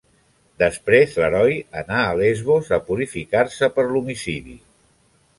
Després l'heroi anà a Lesbos a purificar-se per l'homicidi.